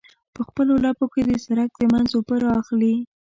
په خپلو لپو کې د سرک د منځ اوبه رااخلي.